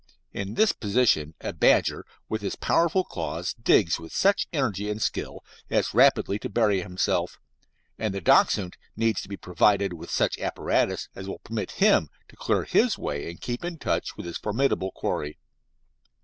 In this position a badger with his powerful claws digs with such energy and skill as rapidly to bury himself, and the Dachshund needs to be provided with such apparatus as will permit him to clear his way and keep in touch with his formidable quarry.